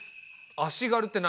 足軽って何？